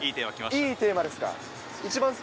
いいテーマですか。